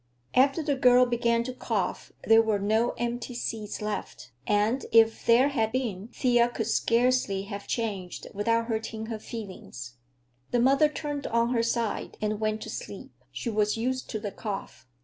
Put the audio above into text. After the girl began to cough there were no empty seats left, and if there had been Thea could scarcely have changed without hurting her feelings. The mother turned on her side and went to sleep; she was used to the cough.